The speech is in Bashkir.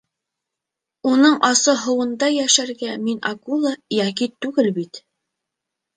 Уның асы һыуында йәшәргә мин акула йә кит түгел бит.